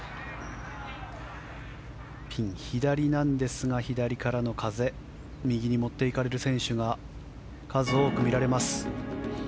ピン左なんですが左からの風右に持っていかれる選手が数多く見られます。